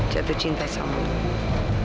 jatuh cinta sama lu